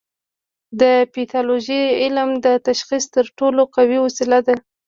د پیتالوژي علم د تشخیص تر ټولو قوي وسیله ده.